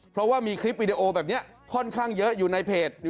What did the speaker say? เพราะว่ามีคลิปวิดีโอแบบนี้ค่อนข้างเยอะอยู่ในเพจ